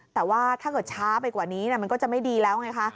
แต่ว่าถ้าเกิดช้าไปกว่านี้มันก็จะไม่ดีแล้วไงคะ